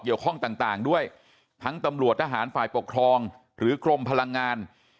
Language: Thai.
ต่างด้วยทั้งตำรวจทหารฝ่ายปกครองหรือกรมพลังงาน